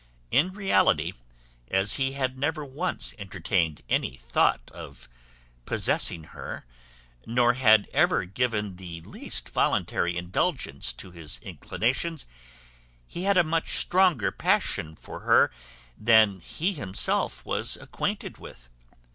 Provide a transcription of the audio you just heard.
In reality, as he had never once entertained any thought of possessing her, nor had ever given the least voluntary indulgence to his inclinations, he had a much stronger passion for her than he himself was acquainted with.